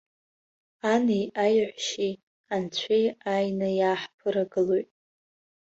Ани, аеҳәшьеи, анцәеи ааины иааҳԥырагылоит.